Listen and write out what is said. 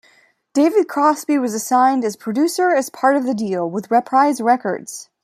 David Crosby was assigned as producer as part of the deal with Reprise Records.